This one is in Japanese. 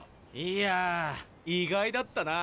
いや意外だったな。